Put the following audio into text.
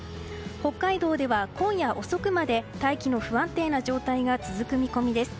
北海道では今夜遅くまで大気の不安定な状態が続く見込みです。